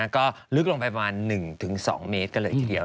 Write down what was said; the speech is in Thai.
ก็ลึกลงไปประมาณ๑๒เมตรกันเลยทีเดียว